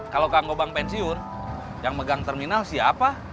kalau kang gebang pensiun yang megang terminal siapa